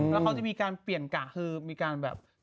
แล้วเขาจะมีการเปลี่ยนกะคือมีการแบบ